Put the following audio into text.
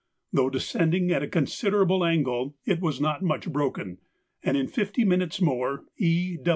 Though descending at a considerable angle, it was not much broken, and in fifty minutes more E.